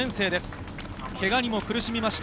けがに苦しみました。